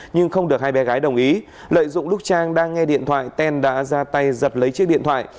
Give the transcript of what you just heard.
nhưng không được hai bé gái đồng ý lợi dụng lúc trang đang nghe điện thoại tên đã ra tay giật lấy chiếc điện thoại